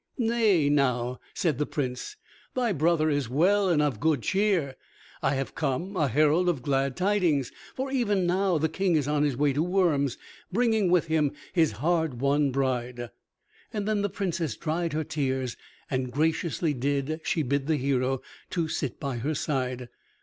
"Nay, now," said the Prince, "thy brother is well and of good cheer. I have come, a herald of glad tidings. For even now the King is on his way to Worms, bringing with him his hard won bride." Then the Princess dried her tears, and graciously did she bid the hero to sit by her side.